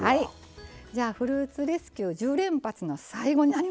じゃあ「フルーツレスキュー１０連発」の最後になりました。